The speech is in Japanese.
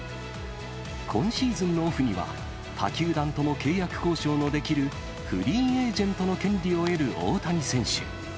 今シーズンのオフには、他球団とも契約交渉のできるフリーエージェントの権利を得る大谷選手。